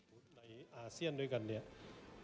วุฒิประธานพุทธศอร์แห่งชาติก็พอใจฟอร์มนักเตะจากเก่าครับ